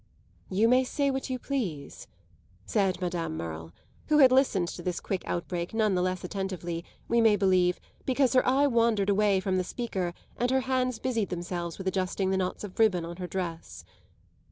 "You may say what you please," said Madame Merle, who had listened to this quick outbreak none the less attentively, we may believe, because her eye wandered away from the speaker and her hands busied themselves with adjusting the knots of ribbon on her dress.